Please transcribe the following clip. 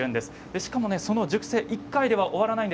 しかも熟成は１回では終わりません。